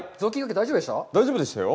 体、大丈夫ですか。